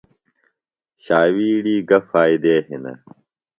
شاویڑی گہ فائدےۡ ہِنہ؟